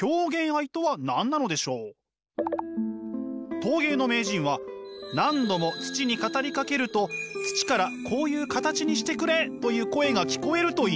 陶芸の名人は何度も土に語りかけると土からこういう形にしてくれという声が聞こえるといいます。